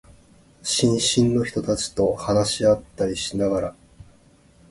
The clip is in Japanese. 新進の人たちと話し合ったりしながら、